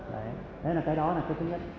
đấy là cái đó là cái thứ nhất